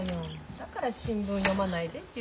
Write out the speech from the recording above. だから新聞読まないでって言ってるでしょ